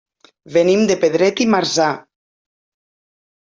Venim de Pedret i Marzà.